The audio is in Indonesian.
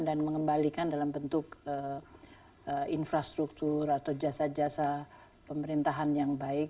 dan mengembalikan dalam bentuk infrastruktur atau jasa jasa pemerintahan yang baik